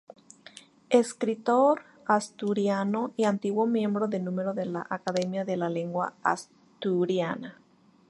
Escritor asturiano y antiguo miembro de número de la Academia de la Lengua Asturiana.